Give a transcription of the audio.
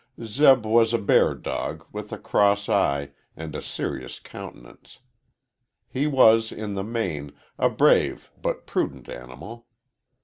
Zeb was a bear dog with a cross eye and a serious countenance. He was, in the main, a brave but a prudent animal.